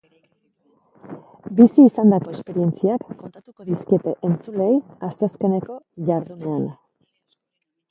Bizi izandako esperientziak kontatuko dizkiete entzuleei asteazkeneko jardunean.